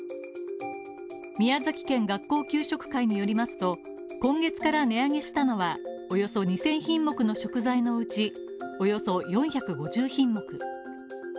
宮崎県学校給食会によりますと、今月から値上げしたのはおよそ２０００品目の食材のうち、およそ４５０品目。